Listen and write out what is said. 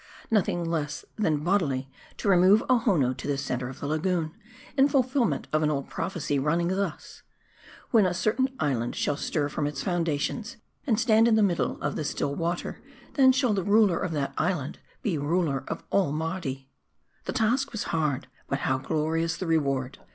Nothing less than bodily to remove Ohonoo to the center of the lagoon, in fulfillment of an old prophecy running thus " When a certain island shall stir from its foundations and stand in the middle of the still water, then shall the ruler of that island be ruler of all Mardi." The task was hard, but how glorious the reward